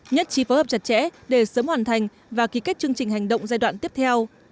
nhất trí phối hợp chặt chẽ để sớm hoàn thành và ký kết chương trình hành động giai đoạn tiếp theo